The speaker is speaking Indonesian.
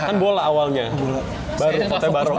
kan bola awalnya baru kota barok